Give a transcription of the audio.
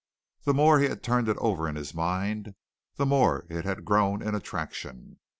The more he had turned it over in his mind, the more it had grown in attraction.